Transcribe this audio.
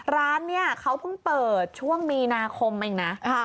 ร้านเนี่ยเขาเพิ่งเปิดช่วงมีนาคมเองนะ